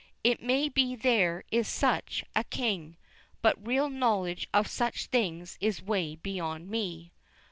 It may be there is such a king, but real knowledge of such things is way beyond me.